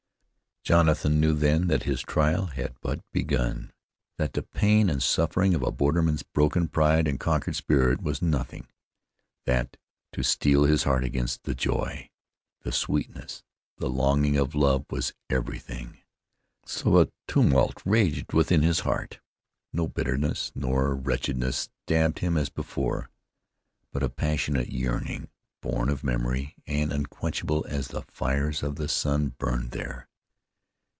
Jonathan knew then that his trial had but begun; that the pain and suffering of a borderman's broken pride and conquered spirit was nothing; that to steel his heart against the joy, the sweetness, the longing of love was everything. So a tumult raged within his heart. No bitterness, nor wretchedness stabbed him as before, but a passionate yearning, born of memory, and unquenchable as the fires of the sun, burned there.